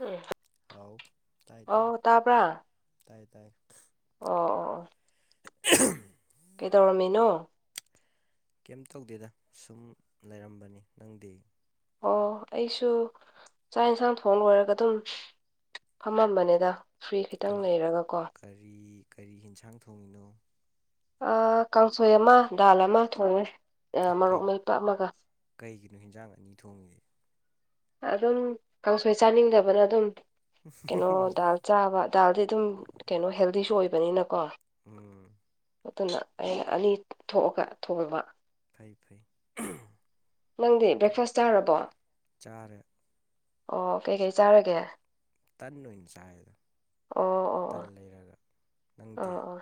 ꯎꯝ ꯍꯥꯎ ꯇꯥꯏ ꯇꯥꯏ ꯑꯧ ꯇꯥꯕ꯭ꯔꯥ ꯇꯥꯏ ꯇꯥꯏ ꯑꯣ ꯑꯣ ꯑꯣ ꯀꯩꯗꯧꯔꯝꯃꯤꯅꯣ ꯀꯩꯝ ꯇꯧꯗꯦꯗ ꯁꯨꯝ ꯂꯩꯔꯝꯕꯅꯤ ꯅꯪꯗꯤ ꯑꯣ ꯑꯩꯁꯨ ꯆꯥꯛ ꯌꯦꯟꯁꯥꯡ ꯊꯣꯡ ꯂꯣꯏꯔꯒ ꯑꯗꯨꯝ ꯐꯝꯃꯝꯕꯅꯦꯗ ꯐ꯭ꯔꯤ ꯈꯤꯇꯪ ꯀꯔꯤ ꯂꯩꯔꯒ ꯀꯣ ꯀꯔꯤ ꯀꯔꯤ ꯌꯦꯟꯁꯥꯡ ꯊꯣꯡꯉꯤꯅꯣ ꯑꯥ ꯀꯥꯡꯁꯣꯏ ꯑꯃ ꯗꯥꯜ ꯑꯃ ꯊꯣꯡꯉꯦ ꯑꯦ ꯀꯩ ꯃꯣꯔꯣꯛ ꯃꯩꯄ ꯑꯃꯒ ꯀꯩꯒꯤꯅꯣ ꯍꯟꯖꯥꯡ ꯑꯅꯤ ꯊꯣꯡꯉꯤ ꯑꯗꯨꯝ ꯀꯥꯡꯁꯣꯏ ꯆꯥꯅꯤꯡꯗꯕꯅ ꯑꯗꯨꯝ ꯀꯩꯅꯣ ꯗꯥꯜ ꯆꯥꯕ ꯗꯥꯜꯗꯤ ꯑꯗꯨꯝ ꯀꯩꯅꯣ ꯍꯦꯜꯗꯤꯁꯨ ꯑꯣꯏꯕꯅꯤꯅꯀꯣ ꯎꯝ ꯑꯗꯨꯅ ꯑꯩꯅ ꯑꯅꯤ ꯊꯣꯛꯑꯒ ꯊꯣꯡꯕ ꯐꯩ ꯐꯩ ꯅꯪꯗꯤ ꯕ꯭ꯔꯦꯛꯐꯥꯁ ꯆꯥꯔ꯭ꯕꯣ ꯆꯔꯦ ꯑꯣ ꯀꯩꯀꯩ ꯆꯥꯔꯒꯦ ꯇꯟ ꯑꯣꯏꯅ ꯆꯥꯏꯌꯦꯗ ꯑꯣ ꯑꯣ ꯑꯣ ꯇꯟ ꯂꯩꯔꯒ ꯅꯪꯗꯤ ꯑꯣ ꯑꯣ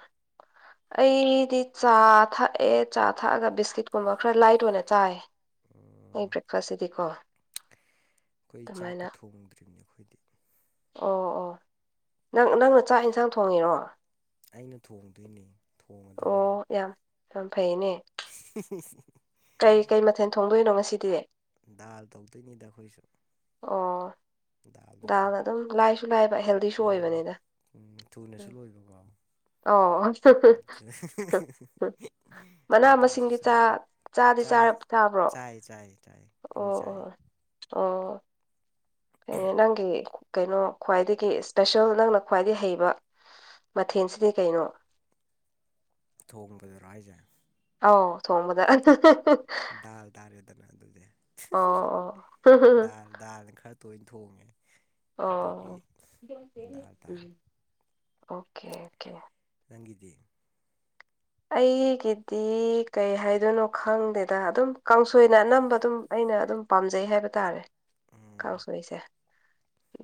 ꯑꯩꯗꯤ ꯆꯥ ꯊꯛꯑꯦ ꯆꯥ ꯊꯛꯑꯒ ꯕꯤꯁꯀꯤꯠ ꯀꯨꯝꯕ ꯈꯔ ꯂꯥꯏꯠ ꯑꯣꯏꯅ ꯆꯥꯏ ꯑꯩ ꯕ꯭ꯔꯦꯛꯐꯥꯁꯁꯤꯗꯤꯀꯣ ꯈꯣꯏ ꯆꯥꯛꯀ ꯑꯗꯨꯃꯥꯏꯅ ꯊꯨꯝ ꯊꫭꯡꯗ꯭ꯔꯤꯅꯤ ꯑꯈꯣꯢꯗꯤ ꯑꯣ ꯑꯣ ꯅꯪ -ꯅꯪꯅ ꯆꯥꯛ ꯏꯟꯁꯥꯡ ꯊꯣꯡꯉꯤꯔꯣ ꯑꯩꯅ ꯊꯣꯡꯗꯣꯏꯅꯦ ꯑꯣ ꯌꯥꯝ -ꯌꯥꯝ ꯐꯩꯌꯦꯅꯦ [unintelligible] ꯀꯩ -ꯀꯩ ꯃꯊꯦꯜ ꯊꯣꯡꯗꯣꯏꯅꯣ ꯉꯁꯤꯗꯤ ꯗꯥꯜ ꯇꯧꯗꯣꯏꯅꯤꯗ ꯑꯈꯣꯏꯁꯨ ꯑꯣ ꯐꯩ ꯗꯥꯜꯅ ꯑꯗꯨꯝ ꯂꯥꯏꯁꯨ ꯂꯥꯏꯕ ꯍꯦꯜ- ꯃꯥꯅꯤ ꯎꯝ ꯊꯨꯅꯁꯨ ꯂꯣꯏꯕꯀꯣ ꯑꯣ [unintelligible] ꯃꯅꯥ ꯃꯇꯝꯁꯨ ꯃꯁꯤꯡꯗꯤ ꯆꯪꯗꯦ ꯆꯥ ꯆꯥꯗꯤ ꯆꯥꯏ ꯆꯥꯕ꯭ꯔꯣ -ꯆꯥꯏ ꯆꯥꯏ ꯆꯥꯏ ꯂꯣꯏ ꯑꯣ ꯆꯥꯏꯌꯦ ꯑꯣ ꯑꯣ ꯑꯦ ꯅꯪꯒꯤ ꯀꯩꯅꯣ ꯈ꯭ꯋꯥꯏꯗꯒꯤ ꯁ꯭ꯄꯦꯁ꯭ꯌꯦꯜ ꯅꯪꯅ ꯈ꯭ꯋꯥꯏꯗꯩꯩ ꯍꯩꯕ ꯃꯊꯦꯟꯁꯤꯗꯤ ꯀꯩꯅꯣ ꯊꯣꯡꯕꯗꯔꯣ ꯍꯥꯏꯖꯦ ꯑꯥꯎ ꯊꯣꯡꯕꯗ [unintelligible] ꯗꯥꯜ ꯇꯥꯔꯦꯗꯅ ꯑꯗꯨꯗꯤ ꯑꯣ ꯑꯣ [unintelligible] ꯗꯥꯜ ꯗꯥꯜꯅ ꯈꯔ ꯇꯣꯏꯅ ꯊꯣꯡꯉꯦ ꯑꯗꯨꯒꯤ ꯑꯣ ꯗꯥꯜ [unintelligible] ꯇꯥꯔꯦ ꯎꯝ ꯑꯣꯀꯦ ꯑꯣꯀꯦ ꯅꯪꯒꯤꯗꯤ ꯑꯩꯒꯤꯗꯤ ꯀꯩ ꯍꯥꯏꯗꯣꯏꯅꯣ ꯈꯪꯗꯦꯗ ꯑꯗꯨꯝ ꯀꯥꯡꯁꯣꯏꯅ ꯑꯅꯝꯕ ꯑꯗꯨꯝ ꯑꯩꯅ ꯑꯗꯨꯝ ꯄꯥꯝꯖꯩ ꯍꯥꯏꯕ ꯇꯥꯔꯦ ꯎꯝ ꯀꯥꯡꯁꯣꯏꯁꯦ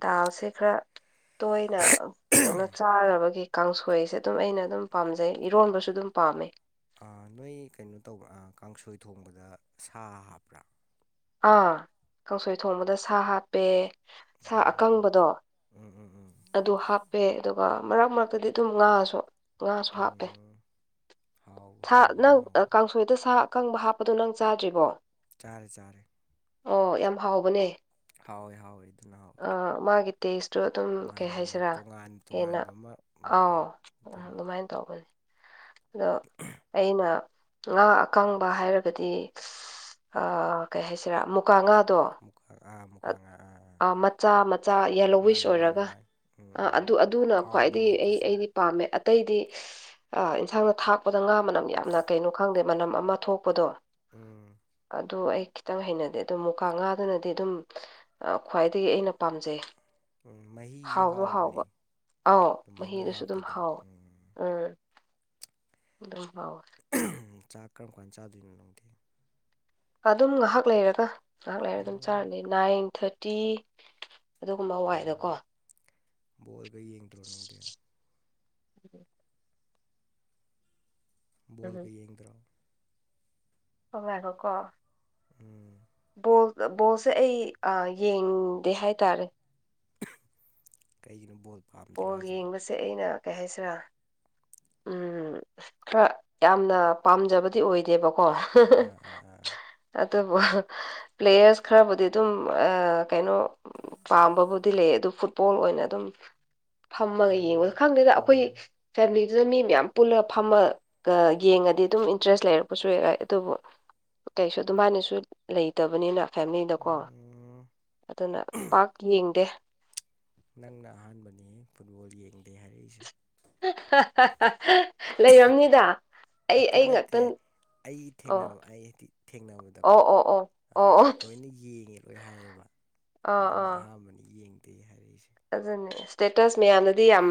ꯗꯥꯜꯁꯦ ꯈꯔ ꯇꯣꯏꯅ ꯑꯞ - ꯀꯩꯅꯣ ꯆꯥꯔꯕꯒꯤ ꯀꯥꯡꯁꯣꯏꯁꯦ ꯑꯗꯨꯝ ꯑꯩꯅ ꯑꯗꯨꯝ ꯄꯥꯝꯖꯩ ꯏꯔꯣꯟꯕꯁꯨ ꯑꯗꯨꯝ ꯄꯥꯝꯃꯦ ꯑꯥ ꯅꯣꯏ ꯀꯩꯅꯣ ꯇꯧꯕ꯭ꯔꯥ ꯑꯥ ꯀꯥꯡꯁꯣꯏ ꯊꯣꯡꯕꯗ ꯁꯥ ꯍꯥꯞꯄ꯭ꯔꯥ ꯑꯥ ꯀꯥꯡꯁꯣꯏ ꯊꯣꯡꯕꯗ ꯁꯥ ꯍꯥꯞꯄꯦ ꯁꯥ ꯎꯝ ꯑꯀꯪꯕꯗꯣ ꯎꯝ ꯎꯝ ꯎꯝ ꯑꯗꯨ ꯍꯥꯞꯄꯦ ꯑꯗꯣ - ꯒ ꯃꯔꯛ ꯃꯔꯛꯇꯗꯤ ꯑꯗꯨꯝ ꯉꯥꯁꯨ ꯉꯥꯁꯨ ꯍꯥꯞꯄꯦ ꯎꯝ ꯍꯥꯎ ꯊꯥ ꯍꯥꯎꯕꯅꯤ -ꯅꯪ ꯑꯥ ꯍꯥꯎꯕꯅꯤ ꯀꯥꯡꯁꯣ - ꯅꯣꯏꯗ ꯁꯥ ꯑꯀꯪꯕ ꯍꯥꯞꯄꯗꯣ ꯅꯪ ꯆꯥꯗ꯭ꯔꯤꯕꯣ ꯆꯥꯔꯦ ꯆꯥꯔꯦ ꯑꯣ ꯌꯥꯝ ꯍꯥꯎꯕꯅꯦ ꯍꯥꯎꯋꯦ ꯍꯥꯎꯋꯦ ꯑꯗꯨꯅ ꯍꯥꯎꯋꯦ ꯑꯥ ꯃꯥꯒꯤ ꯇꯦꯁꯇꯨ ꯑꯗꯨꯝ ꯀꯩ ꯃꯥꯅꯦ ꯃꯥꯅꯦ ꯍꯥꯏꯁꯤꯔꯥ ꯇꯣꯉꯥꯟ ꯍꯦꯟꯅ ꯇꯣꯉꯥꯟꯕ ꯑꯃ ꯎꯝ ꯑꯥꯎ ꯑꯗꯨꯅ ꯑꯗꯨꯃꯥꯏ ꯇꯧꯕꯅꯦ ꯑꯗꯣ ꯑꯩꯅ ꯉꯥ ꯑꯀꯪꯕ ꯍꯥꯏꯔꯒꯗꯤ [unintelligible] ꯑꯥ ꯀꯩ ꯍꯥꯏꯁꯤꯔꯥ ꯃꯨꯀꯥ ꯉꯥꯗꯣ ꯃꯨꯀꯥ ꯑꯥ ꯃꯨꯀꯥ ꯑꯠ ꯉꯥ ꯑꯥ ꯃꯆꯥ ꯃꯆꯥ ꯌꯦꯂꯣꯋꯤꯁ ꯃꯥꯅꯦ ꯃꯥꯅꯦ ꯑꯣꯏꯔꯒ ꯃꯥꯅꯦ ꯎꯝ ꯑ ꯎꯝ ꯑꯗꯨ -ꯑꯗꯨꯅ ꯍꯥꯎꯕꯅꯦ ꯈ꯭ꯋꯥꯏꯗꯒꯤ ꯑꯩ ꯑꯗꯨꯁꯨ -ꯑꯩꯗꯤ ꯄꯥꯝꯃꯦ ꯑꯠ - ꯇꯩꯗꯤ [unintelligible] ꯑꯥ ꯏꯟꯁꯥꯡꯗ ꯊꯥꯛꯄꯗ ꯉꯥ ꯃꯅꯝ ꯌꯥꯝꯅ ꯀꯩꯅꯣ ꯈꯪꯗꯦ ꯃꯅꯝ ꯑꯃ ꯊꯣꯛꯄꯗꯣ ꯎꯝ ꯑꯗꯨ ꯑꯩ ꯈꯤꯇꯪ ꯍꯩꯅꯗꯦ ꯑꯗꯨ ꯃꯨꯀꯥ ꯉꯥꯗꯨꯅꯗꯤ ꯑꯗꯨꯝ ꯑꯥ ꯈ꯭ꯋꯥꯏꯗꯒꯤ ꯑꯩꯅ ꯄꯥꯝꯖꯩ ꯎꯝ ꯃꯍꯤꯁꯨ ꯍꯥꯎꯖꯨ ꯍꯥꯎꯕꯅꯦ ꯍꯥꯎꯕ ꯑꯥꯎ ꯑꯗꯨꯃꯥꯏꯅ ꯃꯍꯤꯗꯨꯁꯨ ꯑꯗꯨꯝ ꯍꯥꯞꯄꯗꯣ ꯍꯥꯎꯋꯦ ꯎꯝ ꯎꯝ ꯑꯗꯨꯝ ꯍꯥꯎ ꯆꯥꯛ ꯀꯔꯝ ꯀꯥꯟꯅ ꯆꯥꯗꯣꯏꯅꯣ ꯅꯨꯡꯗꯤ ꯑꯗꯨꯝ ꯉꯥꯏꯍꯥꯛ ꯂꯩꯔꯒ ꯉꯥꯏꯍꯥꯛ ꯂꯩꯔꯒ ꯑꯗꯨꯝ ꯎꯝ ꯆꯥꯔꯅꯤ ꯅꯥꯏꯟ ꯊꯥꯔꯇꯤ ꯑꯗꯨꯒꯨꯝꯕ ꯎꯝ ꯋꯥꯏꯗꯀꯣ ꯕꯣꯜꯒ ꯌꯦꯡꯗ꯭ꯔꯣ ꯪꯗꯤꯦ ꯎꯝ ꯣꯜꯒꯦ ꯌꯦꯟꯗ꯭ꯔꯥꯎ ꯑꯣꯕꯥꯥꯏꯒꯣ ꯀꯣ ꯎꯝ ꯕꯣꯜ ꯕꯣꯜꯁꯦ ꯑꯩ ꯌꯦꯡꯗꯦ ꯍꯥꯏꯇꯥꯔꯦ ꯀꯩꯒꯤꯅꯣ ꯕꯣꯠ ꯄꯣꯜ ꯌꯦꯡꯕꯁꯦ ꯑꯩꯅ ꯀꯩ ꯍꯥꯏꯁꯤꯔꯥ ꯎꯝ ꯑ ꯈꯔ ꯌꯥꯝꯅ ꯄꯥꯝꯖꯕꯗꯤ ꯑꯣꯏꯗꯦꯕꯀꯣ ꯑꯣꯣ ꯑꯥ ꯑꯥ ꯑꯥ ꯑꯗꯨꯕꯨ ꯄ꯭ꯂꯦꯌꯔꯁ ꯈꯔꯕꯨꯗꯤ ꯑꯗꯨꯝ ꯀꯩꯅꯣ ꯄꯥꯝꯕꯕꯨꯗꯤ ꯂꯩ ꯑꯗꯨ ꯐꯨꯠꯕꯣꯜ ꯑꯣꯏꯅ ꯑꯗꯨꯝ ꯐꯝꯃꯒ ꯎꯝ ꯌꯦꯡꯕꯗ ꯈꯪꯗꯦꯗ ꯑꯩꯈꯣꯏ ꯎꯝ ꯐꯦꯃꯤꯂꯤꯗꯨꯗ ꯃꯤ ꯃꯌꯥꯝ ꯄꯨꯜꯂꯒ ꯐꯝꯃ ꯌꯦꯡꯉꯗꯤ ꯑꯗꯨꯝ ꯏꯟꯇꯔꯦꯁ ꯂꯩꯔꯛꯄꯁꯨ ꯌꯥ ꯑꯗꯨꯕꯨ ꯀꯩꯁꯨ ꯑꯗꯨꯝ ꯍꯥꯏꯥꯏꯅꯁꯨ ꯂꯩꯇꯕꯅꯤꯅ ꯐꯦꯃꯤꯂꯤꯗꯀꯣ ꯎꯝ ꯑꯗꯨꯅ ꯄꯥꯛ ꯌꯦꯡꯗꯦ ꯅꯪꯅ ꯑꯍꯥꯟꯕꯅꯤ ꯐꯨꯠꯕꯣꯜ ꯌꯦꯡꯗꯦ ꯍꯥꯏꯔꯛꯏꯁꯦ ꯂꯩꯔꯝꯅꯤꯗ ꯑꯩ ꯑꯩ ꯉꯥꯛꯇ ꯑꯩꯒꯤ ꯊꯦꯡꯅꯕ ꯑꯩ ꯍꯥꯏꯗꯤ ꯊꯦꯡꯅꯕꯗꯀꯣ ꯑꯣ ꯑꯣ ꯑꯣ ꯑꯣ ꯑꯣ ꯂꯣꯏꯅ ꯌꯦꯡꯉꯦ ꯂꯣꯏ ꯍꯥꯏꯌꯦꯕ ꯑꯥ ꯅꯪꯅ ꯑꯍꯥꯟꯕꯅꯤ ꯌꯦꯡꯗꯦ ꯍꯥꯏꯔꯛꯏꯁꯦ ꯑꯗꯨꯖꯅꯦ ꯁ꯭ꯇꯦꯇꯁ ꯃꯌꯥꯝꯗꯗꯤ ꯌꯥꯝ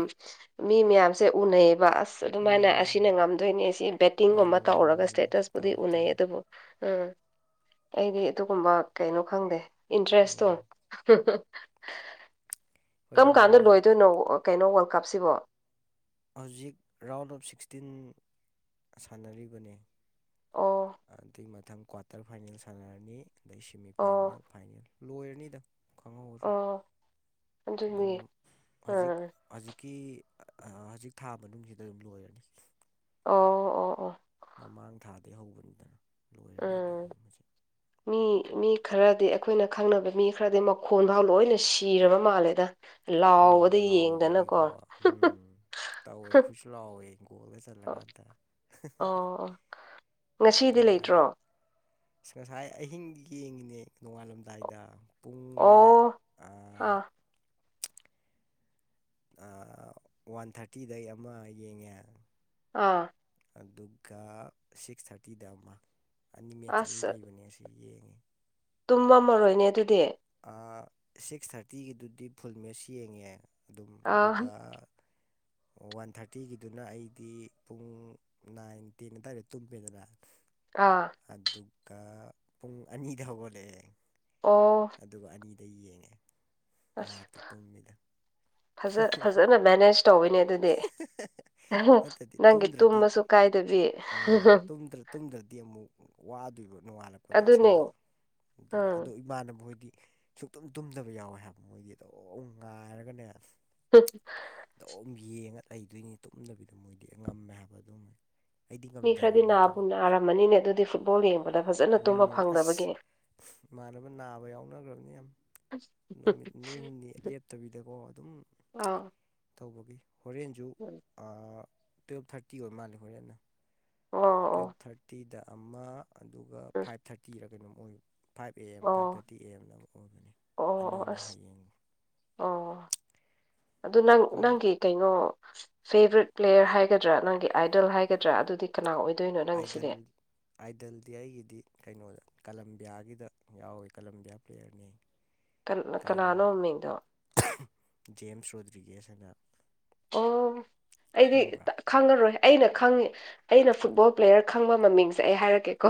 ꯃꯤ ꯃꯌꯥꯝꯁꯦ ꯎꯅꯩꯌꯦꯕ ꯑꯁ ꯑꯗꯨꯃꯥꯏꯅ ꯑꯁꯤꯅ ꯎꯝ ꯉꯝꯗꯣꯏꯅꯦ ꯁꯤ ꯕꯦꯠꯇꯤꯡꯒꯨꯝꯕ ꯃꯥꯅꯦ ꯃꯥꯅꯦ ꯇꯧꯔꯒ ꯃꯥꯅꯦ ꯁ꯭ꯇꯦꯇꯁꯄꯨꯗꯤ ꯇꯧꯋꯦ ꯎꯅꯩ ꯇꯧꯋꯦ ꯑꯗꯨꯕꯨ ꯎꯝ ꯑꯩꯗꯤ ꯑꯗꯨꯒꯨꯝꯕ ꯀꯩꯅꯣ ꯈꯪꯗꯦ ꯏꯟꯇꯔꯦꯁꯇꯣ ꯍꯥ ꯎꯝ [unintelligible] ꯍꯣꯏꯗ ꯀꯔꯝ ꯃꯤ ꯀꯥꯟꯗ ꯃꯤ ꯂꯣꯏꯗꯣꯏꯅꯣ ꯀꯩꯅꯣ ꯋꯥꯔꯜ ꯀꯞꯁꯤꯕꯣ ꯍꯧꯖꯤꯛ ꯔꯥꯎꯟ ꯑꯣꯐ ꯁꯤꯛꯁꯇꯤꯟ ꯁꯥꯟꯅꯔꯤꯕꯅꯦ ꯑꯣ ꯑꯗꯨꯒꯤ ꯃꯊꯪ ꯀ꯭ꯋꯥꯇꯔ ꯐꯥꯏꯅꯦꯜ ꯁꯥꯟꯅꯔꯅꯤ ꯑꯗꯩ ꯁꯦꯃꯤ ꯑꯣ ꯐꯥꯏꯅꯦꯜ ꯐꯥꯏꯅꯦꯜ ꯂꯣꯏꯔꯅꯤꯗ ꯈꯪꯍꯧꯁꯨ ꯑꯣ ꯑꯗꯨꯝ ꯑꯗꯨꯅꯤ ꯍꯧꯖꯤꯛ ꯑꯥ ꯍꯧꯖꯤꯛꯀꯤ ꯍꯧꯖꯤꯛ ꯊꯥ ꯃꯅꯨꯡꯁꯤꯗ ꯑꯗꯨꯝ ꯂꯣꯏꯔꯅꯤ ꯑꯣ ꯑꯣ ꯑꯣ ꯃꯃꯥꯡ ꯊꯥꯗꯒꯤ ꯍꯧꯕꯅꯤꯗꯅ ꯂꯣꯏꯔꯅꯤ ꯑꯗꯨ ꯎꯝ ꯃꯁꯤ ꯃꯤ ꯃꯤ ꯈꯔꯗꯤ ꯑꯩꯈꯣꯏꯅ ꯈꯪꯅꯕ ꯃꯤ ꯈꯔꯗꯤ ꯃꯈꯣꯟꯐꯥꯎ ꯂꯣꯏꯅ ꯁꯤꯔꯕ ꯃꯥꯜꯂꯦꯗ ꯑꯥ ꯂꯥꯎꯕꯗ ꯌꯦꯡꯗꯅꯀꯣ ꯂꯥꯎꯕꯒꯤꯀꯣ ꯎꯝ ꯇꯧꯒꯤ ꯈꯨꯁꯨ ꯂꯥꯛꯑꯣꯒꯣꯜꯗ ꯑꯣ ꯆꯜꯂꯒꯥꯟꯗ ꯑꯣ ꯉꯁꯤꯗꯤ ꯅꯨꯡꯉꯥꯏ ꯂꯩꯇ꯭ꯔꯣ ꯑ ꯉꯁꯥꯏ ꯑꯍꯤꯡꯗꯤ ꯌꯦꯡꯉꯤꯅꯦ ꯅꯣꯡꯉꯥꯜꯂꯝꯗꯥꯏꯗ ꯄꯨꯡꯅꯦ ꯑꯣ ꯑꯥ ꯋꯥꯟ ꯊꯥꯔꯇꯤꯗꯩ ꯑꯃ ꯌꯦꯡꯉꯦ ꯑꯥ ꯑꯗꯨꯒ ꯁꯤꯛꯁ ꯊꯥꯔꯇꯤꯗ ꯑꯃ ꯑꯅꯤ ꯃꯦꯠꯁ ꯑꯅꯤ ꯑꯁ ꯂꯩꯕꯅꯦ ꯑꯁꯤ ꯌꯦꯡꯉꯦ ꯇꯨꯝꯃꯝꯃꯔꯣꯏꯅꯦ ꯑꯗꯨꯗꯤ ꯁꯤꯛꯁ ꯊꯥꯔꯇꯤꯒꯤꯗꯨꯗꯤ ꯐꯨꯜ ꯃꯦꯁ ꯌꯦꯡꯉꯦ ꯑꯗꯨꯝ ꯑꯥ ꯑꯗꯨꯒ ꯋꯥꯟ ꯊꯥꯔꯇꯤꯒꯤꯗꯨꯅ ꯑꯩꯗꯤ ꯄꯨꯡ ꯅꯥꯏꯟꯇꯤꯟ ꯇꯔꯦ ꯇꯨꯝꯕꯤꯗꯅ ꯑꯥ ꯑꯗꯨꯒ ꯄꯨꯡ ꯑꯅꯤꯗ ꯍꯧꯒꯠꯂꯛꯑꯦ ꯑꯣ ꯑꯗꯨꯒ ꯑꯅꯤꯗ ꯌꯦꯡꯉꯦ ꯑꯁ ꯉꯥꯏꯍꯥꯛꯇꯤ ꯇꯨꯝꯃꯤꯗ ꯐꯖ ꯐꯖꯅ ꯃꯦꯅꯦꯖ ꯇꯧꯕꯋꯤꯅꯦ ꯑꯗꯨꯗꯤ ꯅꯠꯇ꯭ꯔꯗꯤ ꯅꯪꯒꯤ ꯇꯨꯝꯗ꯭ꯔꯗꯤ ꯇꯨꯝꯃꯁꯨ ꯀꯥꯏꯗꯕꯤ ꯇꯨꯝꯗꯗꯤ ꯑꯃꯨꯛ ꯋꯥꯗꯣꯏꯕ ꯅꯣꯡꯉꯥꯜꯂꯛꯄ ꯑꯩꯗ ꯏꯁꯥ ꯑꯗꯨꯅꯦ ꯑꯗꯨ ꯑꯗꯣ ꯎꯝ ꯏꯃꯥꯟꯅꯕꯅꯕꯣꯏꯗꯤ ꯁꯨꯛꯇꯨꯝ ꯇꯨꯝꯗꯕ ꯌꯥꯎꯋꯦ ꯍꯥꯏꯕ ꯃꯣꯏꯗꯤ ꯑꯗꯣ ꯉꯥꯏꯔꯒꯅꯦ ꯍ ꯑꯗꯨꯝ ꯌꯦꯡꯉ ꯂꯩꯗꯣꯏꯅꯤ ꯇꯨꯝꯗꯕꯤꯗ ꯃꯣꯏꯗꯤ ꯉꯝꯃꯦ ꯍꯥꯏꯕ ꯑꯗꯨꯝꯅꯤ ꯑꯩꯗꯤ ꯉꯝꯗ꯭ꯔꯦ ꯍꯥꯏꯅ ꯑꯗꯨꯃꯥꯏꯅ ꯇꯧꯋꯤ ꯑꯃꯅꯤꯅꯦ ꯑꯗꯨꯗꯤ ꯐꯨꯠꯕꯣꯜ ꯌꯦꯡꯕꯗ ꯐꯖꯅ ꯇꯨꯝꯕ ꯎꯝ ꯑꯁ ꯐꯪꯗꯕꯒꯤ ꯃꯥꯟꯅꯕ ꯅꯥꯕ ꯌꯥꯎꯅꯈ꯭ꯔꯕꯅꯤ ꯌꯥꯝ ꯅꯨꯃꯤꯠ ꯅꯤ ꯍꯨꯝꯅꯤ ꯂꯦꯞꯇꯕꯤꯗꯀꯣ ꯑꯗꯨꯝ ꯑꯥ ꯇꯧꯕꯒꯤ ꯍꯣꯔꯦꯟꯁꯨ ꯇꯨꯋꯦꯜꯞ ꯊꯥꯔꯇꯤ ꯑꯣꯏ ꯃꯥꯜꯂꯦ ꯍꯣꯔꯦꯟꯅ ꯑꯣ ꯑꯣ ꯇꯨꯋꯦꯜꯞ ꯊꯥꯔꯇꯤꯗ ꯑꯃ ꯑꯗꯨꯒ ꯎꯝ ꯐꯥꯏꯞ ꯊꯥꯔꯇꯤꯔ ꯀꯩꯅꯣꯝ ꯑꯣꯏ ꯐꯥꯏꯚ ꯑꯦ ꯑꯦꯝ ꯐꯥꯏꯚ ꯑꯣ ꯊꯥꯔꯇꯤ ꯑꯦ ꯑꯦꯝꯗ ꯑꯃ ꯑꯣꯏꯕꯅꯤ ꯑꯅꯤꯅꯤ ꯍꯌꯦꯡ ꯑ ꯑꯗꯨ ꯅꯪ ꯑꯩꯈꯣꯏꯅ ꯅꯪꯒꯤ ꯀꯩꯅꯣ ꯐꯦꯕꯔꯥꯏꯠ ꯄ꯭ꯂꯦꯌꯔ ꯍꯥꯏꯒꯗ꯭ꯔꯥ ꯅꯪꯒꯤ ꯑꯥꯏꯗꯜ ꯍꯥꯏꯒꯗ꯭ꯔꯥ ꯑꯗꯨꯗꯤ ꯀꯅꯥ ꯑꯣꯏꯗꯣꯏꯅꯣ ꯑꯥꯏꯗꯜ ꯅꯪꯒꯤꯁꯤꯗꯤ ꯑꯥꯏꯗꯜꯗꯤ ꯑꯩꯒꯤꯗꯤ ꯀꯩꯅꯣꯗ ꯀꯂꯝꯕꯤꯌꯥꯒꯤꯗ ꯌꯥꯎꯋꯦ ꯀꯂꯝꯕꯤꯌꯥ ꯄ꯭ꯂꯦꯌꯔꯅꯦ ꯀ ꯀꯅꯥꯅꯣꯃꯤꯗꯣ ꯖꯦꯝꯁ ꯔꯣꯗ꯭ꯔꯤꯒꯦꯁ ꯍꯥꯏꯅ ꯑꯣ ꯑꯩꯗꯤ ꯈꯪꯕ꯭ꯔꯥ ꯈꯪꯉꯔꯣꯏ ꯑꯩꯅ ꯈꯪꯉꯤ ꯑꯩꯅ ꯐꯨꯠꯕꯣꯜ ꯄ꯭ꯂꯦꯌꯔ ꯈꯪꯕ ꯃꯃꯤꯡꯁꯦ ꯑꯩ ꯍꯥꯏꯔꯛꯀꯦꯀꯣ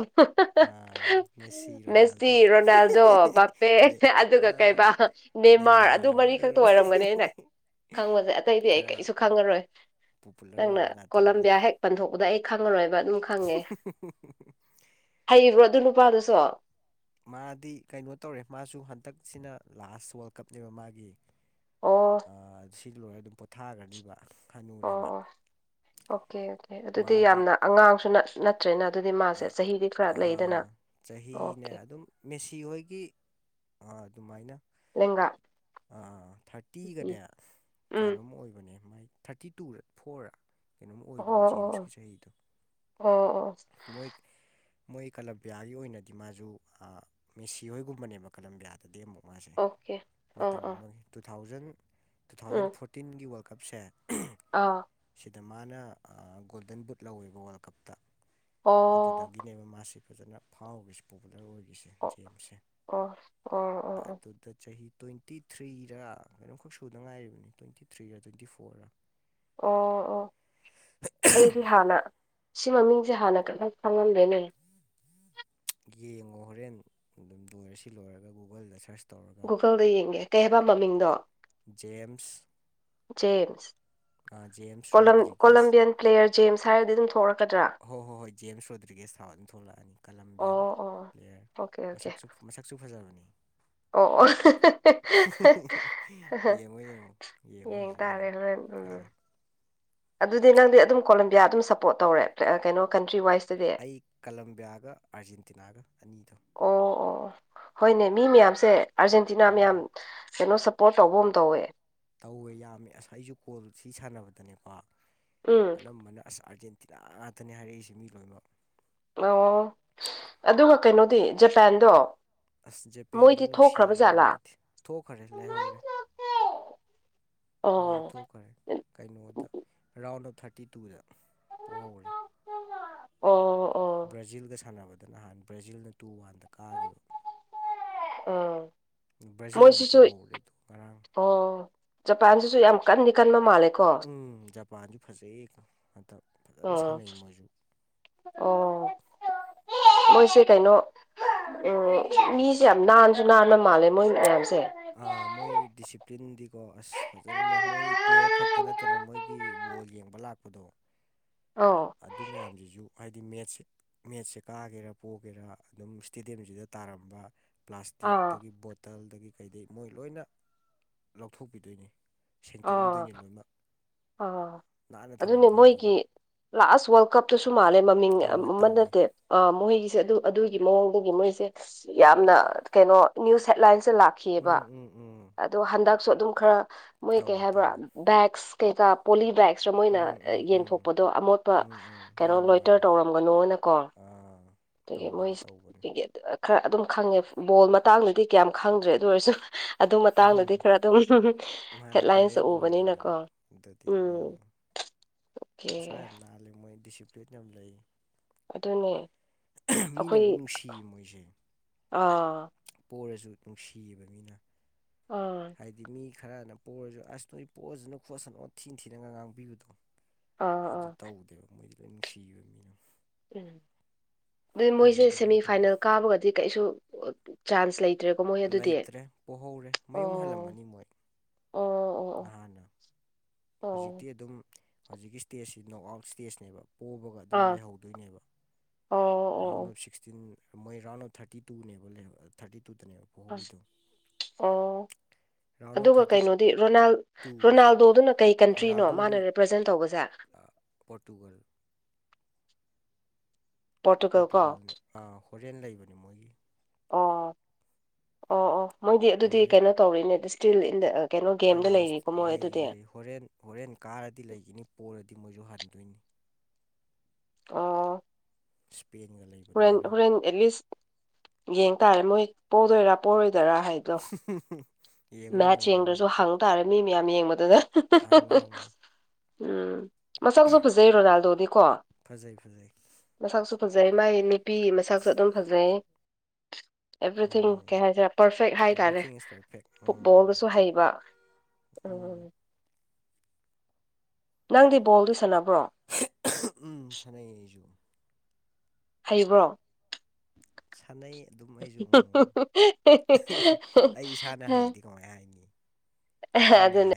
ꯃꯦꯁꯤ ꯃꯦꯁꯤ ꯔꯣꯅꯥꯜꯗꯣ ꯔꯣꯅꯥꯜꯗꯣ ꯕꯄꯦ ꯑꯗꯨꯒ ꯀꯩꯕꯥ ꯃꯦꯟꯃꯥꯔ ꯑꯗꯨ ꯃꯔꯤꯈꯛꯇ ꯅꯦꯃꯥꯔ ꯑꯣꯏꯔꯝꯒꯅꯦꯩꯅ ꯈꯪꯕꯁꯦ ꯑꯇꯩꯗꯤ ꯑꯩ ꯈꯔ ꯀꯩꯁꯨ ꯈꯪꯉꯔꯣꯏ ꯄꯣꯄꯨꯂꯔ ꯅꯪꯅ ꯑꯣꯏꯕ ꯉꯥꯛꯇꯅꯤ ꯀꯣꯂꯝꯕꯤꯌꯥ ꯍꯦꯛ ꯄꯟꯊꯣꯛꯄꯗ ꯑꯩ ꯈꯪꯉꯔꯣꯏꯕ ꯑꯗꯨꯝ ꯈꯪꯉꯦ ꯍꯩꯔꯤꯕ꯭ꯔꯣ ꯑꯗꯨ ꯅꯨꯄꯥꯗꯨꯁꯨ ꯃꯥꯗꯤ ꯀꯩꯅꯣ ꯇꯧꯔꯦ ꯃꯥꯁꯨ ꯍꯟꯗꯛꯁꯤꯅ ꯂꯥꯁ ꯋꯥꯔꯜ ꯀꯞꯅꯦꯕ ꯃꯥꯒꯤ ꯑꯣ ꯑ ꯁꯤꯗ ꯂꯣꯏꯔ ꯑꯗꯨꯝ ꯄꯣꯊꯥꯈ꯭ꯔꯅꯤꯕ ꯑꯣ ꯍꯅꯨꯔꯦꯕ ꯑꯣ ꯑꯣꯀꯦ ꯑꯣꯀꯦ ꯑꯗꯨꯗꯤ ꯃꯥꯗꯤ ꯌꯥꯝꯅ ꯑꯉꯥꯡꯁꯨ ꯅꯠꯇ꯭ꯔꯦꯅ ꯑꯗꯨꯗꯤ ꯃꯥꯁꯦ ꯆꯍꯤꯗꯤ ꯈꯔ ꯂꯩꯗꯅ ꯆꯍꯤꯅꯦ ꯑꯣꯀꯦ ꯑꯗꯨꯝ ꯃꯦꯁꯤ ꯍꯣꯏꯒꯤ ꯑꯗꯨꯃꯥꯏꯅ ꯂꯦꯡꯒꯥ ꯎꯝ ꯊꯥꯔꯇꯤꯒꯅꯦ ꯎꯝ ꯀꯌꯥꯅꯣꯝ ꯑꯣꯏꯕꯅꯦ ꯃꯥꯏ ꯊꯥꯔꯇꯤ ꯇꯨ ꯐꯣꯔ ꯀꯩꯅꯣꯝ ꯑꯣ ꯑꯣꯏꯕꯅꯤ ꯑꯣ ꯑꯣ ꯖꯦꯝꯁꯀꯤ ꯆꯍꯤꯗꯣ ꯑꯣ ꯑꯣ ꯃꯣꯏ ꯃꯣꯏ ꯀꯂꯝꯕꯤꯌꯥꯒꯤ ꯑꯣꯏꯅꯗꯤ ꯃꯥꯁꯨ ꯃꯤꯁꯤ ꯍꯣꯏꯒꯨꯝꯕꯅꯦꯕ ꯀꯅꯂꯝ ꯌꯥꯗꯦ ꯑꯃꯨꯛ ꯃꯥꯁꯦ ꯑꯣꯀꯦ ꯑꯥ ꯃꯇꯝ ꯑꯥ ꯑꯃꯒꯤ ꯇꯨ ꯊꯥꯎꯖꯟ ꯇꯨ ꯊꯥꯎꯖꯟ ꯎꯝ ꯐꯣꯔꯇꯤꯟꯒꯤ ꯋꯥꯔꯜ ꯀꯞꯁꯦ ꯑꯥ ꯁꯤꯗ ꯃꯥꯅ ꯒꯣꯜꯗꯟ ꯕꯨꯠ ꯂꯧꯋꯦꯕ ꯋꯥꯔꯜ ꯀꯞꯇ ꯑꯣ ꯑꯗꯨꯗꯒꯤ ꯕ ꯃꯥꯁꯤ ꯐꯖꯅ ꯐꯥꯎꯈꯤ ꯄꯣꯄꯨꯂꯔ ꯑꯣꯏꯈꯤꯁꯦ ꯑꯣ ꯒꯦꯝꯁꯦ ꯑꯣ ꯑꯣ ꯑꯣ ꯑꯣ ꯑꯗꯨꯗ ꯆꯍꯤ ꯇ꯭ꯋꯦꯟꯇꯤ ꯊ꯭ꯔꯤꯔ ꯀꯩꯅꯣꯝꯈꯛ ꯁꯨꯗ ꯉꯥꯏꯔꯤꯕꯅꯤ ꯇ꯭ꯋꯦꯟꯇꯤ ꯊ꯭ꯔꯤꯔ ꯇ꯭ꯋꯦꯟꯇꯤ ꯐꯣꯔꯔ ꯑꯣ ꯑꯣ ꯑꯩ ꯔꯤꯍꯥꯅ ꯁꯤ ꯃꯃꯤꯡꯁꯦ ꯍꯥꯟꯅ ꯀ ꯈꯪꯉꯂꯝꯗꯦꯅꯦ ꯌꯦꯡꯉꯣ ꯍꯣꯔꯦꯟ ꯑꯗꯨꯝ ꯂꯣꯏꯔ ꯁꯤ ꯂꯣꯏꯔꯒ ꯒꯨꯒꯜꯗ ꯁꯔꯁ ꯇꯧꯔꯒ ꯒꯨꯒꯜꯗ ꯌꯦꯡꯒꯦ ꯀꯩ ꯍꯥꯏꯕ ꯃꯃꯤꯡꯗꯣ ꯖꯦꯝꯁ ꯖꯦꯝꯁ ꯑ James Rodriguez Colombian player James ꯍꯥꯏꯔꯗꯤ ꯑꯗꯨꯝ ꯊꯣꯛꯂꯛꯀꯗ꯭ꯔꯥ ꯍ ꯍꯣꯏ ꯍꯣꯏ ꯖꯦꯝꯁ ꯔꯣꯗ꯭ꯔꯤꯒꯦꯁ ꯊꯠꯃꯤ ꯊꯣꯛꯂꯛꯑꯅꯤ ꯀꯂꯝꯕꯤꯌꯟ ꯑꯣ ꯑꯣ ꯑꯣꯀꯦ ꯑꯣꯀꯦ ꯃꯁꯛꯁꯨ ꯃꯁꯛꯁꯨ ꯐꯖꯕꯅꯤ ꯑꯣ ꯑꯣ ꯌꯦꯡꯉꯣ ꯌꯦꯡꯉꯣ ꯌꯦꯡꯉꯣ ꯌꯦꯡ ꯍꯧꯖꯤꯛ ꯌꯦꯡꯉꯣ ꯇꯥꯔꯦ ꯍꯣꯔꯦꯟ ꯐꯖ ꯎꯝ ꯑꯗꯨꯗꯤ ꯅꯪꯗꯤ ꯑꯗꯨꯝ ꯀꯣꯂꯦꯝꯣꯕꯤꯌꯥ ꯑꯗꯨꯝ ꯁꯞꯄꯣꯔꯠ ꯇꯧꯔꯦ ꯀꯩꯅꯣ ꯀꯟꯇ꯭ꯔꯤ ꯋꯥꯏꯁ ꯑꯩ ꯀꯂꯝꯕꯤꯌꯥꯒ ꯑꯥꯔꯖꯦꯟꯇꯤꯅꯥꯒ ꯑꯅꯤꯗꯣ ꯑꯣ ꯑꯣ ꯍꯣꯏꯅꯦ ꯃꯤ ꯃꯌꯥꯝꯁꯦ ꯑꯥꯔꯖꯦꯟꯇꯤꯅꯥ ꯎꯝ ꯃꯌꯥꯝ ꯀꯩꯅꯣ ꯁ ꯄꯣꯠ ꯇꯧꯕꯒꯨꯝ ꯇꯧꯋꯦ ꯇꯧꯋꯦ ꯌꯥꯝꯃꯦ ꯑꯁ ꯑꯩꯁꯨ ꯀꯣꯜ ꯁꯤ ꯁꯥꯟꯅꯕꯗꯅꯦꯀꯣ ꯎꯝ ꯑꯅꯝꯕꯅ ꯑꯁ ꯑꯥꯔꯖꯦꯟ ꯇꯤꯅꯥ ꯉꯥꯛꯇꯅꯦ ꯍꯥꯏꯔꯛꯏꯁꯦ ꯃꯤ ꯂꯣꯏꯅꯃꯛ ꯑꯣ ꯑꯗꯨꯒ ꯀꯩꯅꯣꯗꯤ ꯖꯄꯥꯟꯗꯣ ꯑꯁ ꯖꯦꯄꯦꯟꯗꯨ ꯃꯣꯏꯗꯤ ꯅꯨꯡꯁꯤ ꯊꯣꯛꯈ꯭ꯔꯕ ꯖꯥꯠꯂꯥ ꯅꯨꯡꯉꯥꯏꯇꯦ ꯊꯣꯛꯈꯔꯦ ꯂꯩꯍꯧꯔꯦ ꯃꯣꯏ ꯑꯣ ꯏꯊꯣꯛꯈ꯭ꯔꯦ ꯀꯩꯅꯣꯗ ꯔꯥꯎꯟ ꯑꯣꯐ ꯊꯥꯔꯇꯤ ꯇꯨꯗ ꯄꯣꯍꯧꯔꯦ ꯑꯣ ꯑꯣ ꯕ꯭ꯔꯥꯖꯤꯜꯒ ꯁꯥꯟꯅꯕꯗ ꯅꯍꯥꯟ ꯕ꯭ꯔꯥꯖꯤꯜꯅ ꯇꯨ ꯋꯥꯟꯗ ꯀꯥꯈꯤꯕ ꯎꯝ ꯕ꯭ꯔꯥꯖꯤꯜ ꯑꯃꯨꯛ ꯃꯣꯏꯁꯤꯁꯨ ꯄꯨꯍꯧꯔꯦ ꯑꯗꯨ ꯉꯔꯥꯡ ꯑꯣ ꯖꯄꯥꯟꯁꯤꯁꯨ ꯌꯥꯝ ꯀꯟꯗꯤ ꯀꯟꯕ ꯃꯥꯜꯂꯦꯀꯣ ꯎꯝ ꯖꯄꯥꯟꯗꯤ ꯐꯖꯩꯍꯦ ꯍꯟꯇꯛ ꯐꯖꯅ ꯎꯝ ꯁꯥꯟꯅꯩ ꯃꯣꯏꯁꯨ ꯑꯣ ꯃꯣꯏꯁꯦ ꯀꯩꯅꯣ ꯎꯝ ꯃꯤꯁꯦ ꯌꯥꯝ ꯅꯥꯟꯁꯨ ꯅꯥꯕ ꯃꯥꯜꯂꯦ ꯃꯣꯏ ꯃꯌꯥꯝꯁꯦ ꯑꯥ ꯃꯣꯏ ꯗꯤꯁꯤꯄ꯭ꯂꯤꯟꯗꯤꯀꯣ ꯑꯁ ꯐꯖꯅꯅꯦ ꯃꯣꯏ ꯄ꯭ꯂꯦꯌꯔ ꯈꯛꯇ ꯅꯠꯇꯅ ꯃꯣꯏ ꯒꯤ ꯕꯣꯜ ꯌꯦꯡꯕ ꯂꯥꯛꯄꯗꯣ ꯑꯧ ꯑꯗꯨ ꯃꯌꯥꯝꯁꯤꯁꯨ ꯍꯥꯏꯗꯤ ꯃꯦꯠꯁ ꯃꯦꯠꯁꯦ ꯀꯥꯒꯦꯔꯥ ꯄꯣꯛꯒꯦꯔꯥ ꯑꯗꯨꯝ ꯏꯁꯇꯦꯗꯤꯌꯝꯁꯤꯗ ꯇꯥꯔꯝꯕ ꯑꯥ ꯄ꯭ꯂꯥꯁꯇꯤꯛꯇꯒꯤ ꯕꯣꯇꯜꯗꯒꯤ ꯀꯩꯗꯒꯤ ꯃꯣꯏ ꯂꯣꯏꯅ ꯂꯧꯊꯣꯛꯄꯤꯗꯣꯏꯅꯤ ꯑꯥ ꯁꯦꯡꯇꯣꯛꯑꯝꯗꯣꯏꯅꯤ ꯂꯣꯏꯅꯃꯛ ꯑꯥ ꯅꯥꯟꯅ ꯑꯗꯨꯅꯦ ꯊꯝꯃꯝꯗꯣꯏꯅꯤ ꯃꯣꯏꯒꯤ ꯑꯗꯨꯒ ꯂꯥꯁꯠ ꯋꯥꯔꯜ ꯀꯞꯇꯁꯨ ꯃꯥꯜꯂꯦ ꯃꯃꯤꯡ ꯌ ꯇꯧꯋꯦ ꯑꯃ ꯇꯧꯋꯦ ꯅꯠꯇꯦ ꯑ ꯃꯣꯏꯒꯤꯁꯦ ꯑꯗꯨ ꯑꯗꯨꯒꯤ ꯃꯑꯣꯡꯗꯒꯤ ꯃꯣꯏꯁꯦ ꯌꯥꯝꯅ ꯀꯩꯅꯣ ꯅ꯭ꯌꯨꯁ ꯍꯦꯠꯂꯥꯏꯟꯁꯇ ꯂꯥꯛꯀ ꯎꯝ ꯈꯤꯑꯕ ꯎꯝ ꯎꯝ ꯑꯗꯣ ꯍꯟꯗꯛꯁꯨ ꯑꯗꯨꯝ ꯈꯔ ꯃꯣꯏ ꯀꯩ ꯇꯧꯋꯦ ꯍꯥꯏꯕ꯭ꯔꯥ ꯇꯧꯋꯦ ꯕꯦꯛꯁ ꯀꯩꯀꯥ ꯄꯣꯂꯤ ꯕꯦꯛꯁꯔ ꯃꯣꯏꯅ ꯎꯝ ꯎꯝ ꯎꯝ ꯌꯦꯟꯊꯣꯛꯄꯗꯣ ꯑꯃꯣꯠꯄ ꯎꯝ ꯎꯝ ꯀꯩꯅꯣ ꯃꯥꯅꯦ ꯂꯣꯏꯇꯔ ꯃꯥꯅꯦ ꯇꯧꯔꯝꯒꯅꯣꯅꯀꯣ ꯑꯥ ꯑꯗꯒꯤ ꯃꯣꯏ ꯇꯧꯕꯅꯤ ꯇꯧꯕꯅꯤ ꯈꯔ ꯑꯗꯨꯝ ꯈꯪꯉꯦ ꯕꯣꯜ ꯃꯇꯥꯡꯗꯗꯤ ꯀꯌꯥꯝ ꯈꯪꯗ꯭ꯔꯦ ꯑꯗꯨ ꯑꯣꯏꯔꯁꯨ ꯑꯗꯨ ꯃꯇꯥꯡꯗꯗꯤ ꯈꯔ ꯑꯗꯨꯝ ꯃꯥꯅꯦ ꯍꯦꯠꯂꯥꯏꯟꯁꯇ ꯚꯥꯏꯔꯦꯜ ꯑꯣꯏꯕꯅꯤ ꯎꯕꯅꯤꯅꯀꯣ ꯑꯗꯨꯗꯤ ꯑꯥ ꯎꯝ ꯑꯣꯀꯦ ꯃꯁꯥ ꯌꯥꯝ ꯂꯥꯜꯂꯤ ꯃꯣꯏ ꯗꯤꯁꯤꯄ꯭ꯂꯤꯟ ꯌꯥꯝ ꯂꯩ ꯑꯗꯨꯅꯦ ꯃꯤꯅ ꯑꯩꯈꯣꯏ ꯂꯣꯏ ꯅꯨꯡꯁꯤ ꯃꯣꯏꯁꯦ ꯑꯥ ꯄꯔꯁꯨ ꯅꯨꯡꯁꯤꯌꯦꯕ ꯃꯤꯅ ꯑꯣ ꯍꯥꯏꯗꯤ ꯃꯤ ꯈꯔꯅ ꯄꯣꯔꯁꯨ ꯑꯁ ꯅꯣꯏ ꯄꯣꯁꯅꯨ ꯈꯣꯠꯁꯅ ꯊꯤꯟ ꯊꯤꯅꯒ ꯉꯥꯡꯕꯤꯕꯗꯣ ꯑꯥ ꯑꯗꯨ ꯑꯥ ꯇꯧꯗꯦꯕ ꯃꯣꯏꯗꯤ ꯂꯣꯏ ꯅꯨꯡꯁꯤꯕ ꯃꯤꯅ ꯑꯗꯨꯗꯤ ꯐꯩꯌꯦ ꯃꯣꯏꯁꯦ ꯑꯗꯨꯃꯥꯏꯅ ꯇꯧꯕꯅꯤ ꯁꯦꯃꯤꯐꯥꯏꯅꯦꯜ ꯀꯥꯕꯒꯗꯤ ꯀꯩꯁꯨ ꯆꯥꯟꯁ ꯂꯩꯇ꯭ꯔꯦꯀꯣ ꯃꯣꯏ ꯑꯗꯨꯗꯤ ꯂꯩꯇ꯭ꯔꯦ ꯄꯣꯍꯧꯔꯦ ꯃꯌꯨꯝ ꯑꯣ ꯍꯜꯂꯝꯃꯅꯤ ꯃꯣꯏ ꯑꯣ ꯑꯣ ꯅꯍꯥꯟꯅ ꯑꯣ ꯍꯧꯖꯤꯛꯇꯤ ꯑꯗꯨꯝ ꯍꯧꯖꯤꯛꯀꯤ ꯏꯁꯇꯦꯖꯁꯤ ꯅꯣꯛ ꯑꯥꯎꯠ ꯏꯁꯇꯦꯖꯅꯦꯕ ꯄꯣꯕꯒ ꯑꯗꯨꯝ ꯑꯥ ꯂꯩꯍꯧꯗꯣꯏꯅꯦꯕ ꯑꯣ ꯔꯥꯎꯟ ꯑꯣ ꯑꯣꯐ ꯁꯤꯛꯁꯇꯤꯟ ꯃꯣꯏ ꯔꯥꯎꯟ ꯑꯣꯐ ꯊꯥꯔꯇꯤ ꯇꯨꯅꯦꯕ ꯂꯩꯍꯧ ꯊꯥꯔꯇꯤ ꯇꯨꯗꯅꯦꯕ ꯑꯁ ꯄꯣꯍꯧꯋꯤꯗꯣ ꯑꯣ ꯔꯥꯎꯟ ꯑꯣꯐ ꯑꯗꯨꯒ ꯊꯥꯔꯇꯤ ꯀꯩꯅꯣ ꯗꯤ ꯔꯣꯅꯥꯜ ꯇꯨ ꯔꯣꯅꯥꯜꯗꯣꯗꯨꯅ ꯀꯩ ꯀꯟꯇ꯭ꯔꯤꯅꯣ ꯃꯥꯅ ꯔꯣꯅꯥꯜꯗꯣꯒꯤ ꯔꯤꯄ꯭ꯔꯖꯦꯟ ꯇꯧꯕꯁꯦ ꯄꯣꯔꯇꯨꯒꯜ ꯄꯣꯔꯇꯨꯒꯜ ꯀꯣ ꯄꯣꯔꯇꯨꯒꯜꯅꯦ ꯍꯣꯔꯦꯟ ꯂꯩꯕꯅꯦ ꯃꯣꯏꯒꯤ ꯑꯣ ꯑꯣ ꯑꯣ ꯃꯣꯏꯗꯤ ꯑꯗꯨꯗꯤ ꯍꯣꯔꯦꯟ ꯀꯩꯅꯣ ꯇꯧꯔꯤꯅꯦꯗ ꯁ꯭ꯇꯤꯜ ꯏꯟ ꯗ ꯀꯩꯅꯣ ꯒꯦꯝꯗ ꯑꯥ ꯂꯩꯔꯤꯀꯣ ꯃꯣꯏ ꯂꯩꯔꯤ ꯑꯗꯨꯗꯤ ꯂꯩꯔꯤ ꯍꯣꯔꯦꯟ ꯍꯣꯔꯦꯟ ꯀꯥꯔꯗꯤ ꯂꯩꯈꯤꯅꯤ ꯄꯔꯗꯤ ꯃꯣꯏꯁꯨ ꯍꯟꯗꯣꯏꯅꯤ ꯑꯣ ꯁ꯭ꯄꯦꯟꯒ ꯂꯩꯕ ꯍꯣꯔꯦꯟ ꯍꯣꯔꯦꯟ ꯑꯦꯠꯂꯤꯁ ꯌꯦꯡ ꯇꯥꯔꯦ ꯃꯣꯏ ꯄꯧꯗꯣꯏꯔ ꯄꯔꯣꯏꯗꯣꯏꯔꯥ ꯍꯥꯏꯗꯤ ꯎ ꯃꯦꯠꯁ ꯌꯦꯡꯗ꯭ꯔꯁꯨ ꯍꯪ ꯇꯥꯔꯦ ꯃꯤ ꯃꯌꯥꯝ ꯌꯦꯡꯕꯗꯨꯗ ꯍꯪꯉꯣ ꯍꯪꯉꯣ ꯎꯝ ꯃꯁꯛꯁꯨ ꯐꯖꯩ ꯔꯣꯅꯥꯜꯗꯣꯅꯤꯀꯣ ꯐꯖꯩ ꯐꯖꯩ ꯃꯁꯥꯛꯁꯨ ꯐꯖꯩ ꯃꯥꯏ ꯅꯨꯄꯤ ꯃꯁꯥꯛꯁꯨ ꯑꯗꯨꯝ ꯐꯖꯩ ꯑꯦꯚ꯭ꯔꯤꯊꯤꯡ ꯎꯝ ꯀꯩ ꯍꯥꯏꯁꯤꯔꯦ ꯄꯔꯐꯦꯛ ꯍꯥꯏꯇꯥꯔꯦ ꯑꯦꯕ꯭ꯔꯤꯊꯤꯡ ꯏꯁ ꯄꯔ ꯐꯦꯛ ꯐꯨꯠꯕꯣꯜꯒꯁꯨ ꯍꯩꯕ ꯎꯝ ꯅꯪꯗꯤ ꯕꯣꯜꯗꯨ ꯁꯥꯟꯅꯕ꯭ꯔꯣ ꯎꯝ ꯁꯥꯟꯅꯩ ꯑꯩꯁꯨ ꯍꯥꯏꯔꯤꯕ꯭ꯔꯣ ꯁꯥꯟꯅꯩ ꯑꯗꯨꯝ ꯑꯩꯁꯨ ꯑꯩ ꯏꯁꯥꯅ ꯍꯩꯗꯤ ꯀꯃꯥꯏ ꯍꯥꯏꯅꯤ ꯃꯤꯅ ꯑꯗꯨꯅꯦ ꯍꯥꯏ